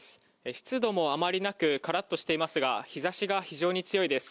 湿度もあまりなく、からっとしていますが、日ざしが非常に強いです。